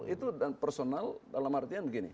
itu dan personal dalam artian begini